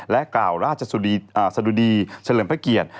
กล่าวราชสะดุดีเฉลิมพระเกียรติ